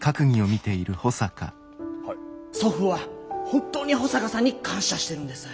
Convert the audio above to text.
祖父は本当に保坂さんに感謝してるんです。